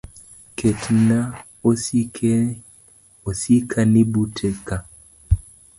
Ketna osikani buta ka.